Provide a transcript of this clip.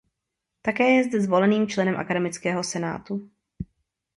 Také je zde zvoleným členem akademického senátu.